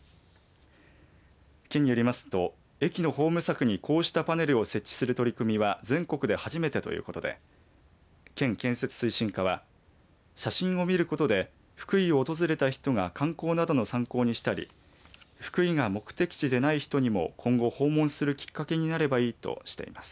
県によりますと駅のホーム柵にこうしたパネルを設置する取り組みは全国で初めてということで県建設推進課は写真を見ることで福井を訪れた人が観光などの参考にしたり福井が目的地でない人にも今後訪問するきっかけになればいいとしています。